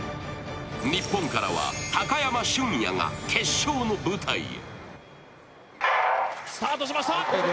日本からは高山峻野が決勝の舞台へ。